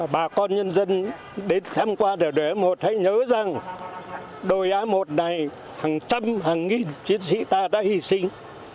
bà con nhân dân đến thăm qua đời đội a một hãy nhớ rằng đội a một này hàng trăm hàng nghìn chiến sĩ ta đã hy sinh